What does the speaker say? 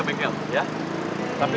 udah bilang halo ya tadi